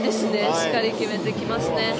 しっかり決めてきますね。